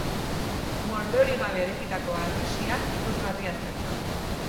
Morterorik gabe eraikitako harresia ikusgarria zen.